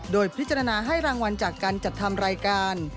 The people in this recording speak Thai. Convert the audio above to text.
โดยพิจารณาให้รางวัลจากการจัดทำรายการ